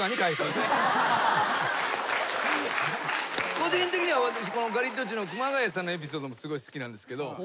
個人的には私ガリットチュウの熊谷さんのエピソードもすごい好きなんですけど。